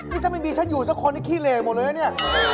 นี่ถ้าไม่มีชั้นอยู่ใช่คนนี่ขี้เรกหมดเลยนี่